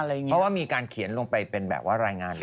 เพราะมีการเขียนเป็นรายงาน